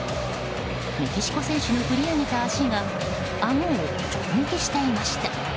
メキシコ選手の振り上げた足が顎を直撃していました。